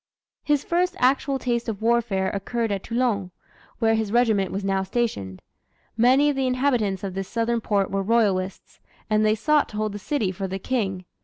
His first actual taste of warfare occurred at Toulon, where his regiment was now stationed. Many of the inhabitants of this Southern port were royalists, and they sought to hold the city for the King.